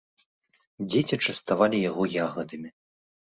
Дзеці частавалі яго ягадамі.